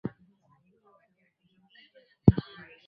Tumia chapa mandashi Kuumulia